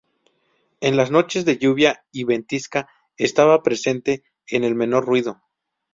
En las noches de lluvia y ventisca, estaba presente en el menor ruido.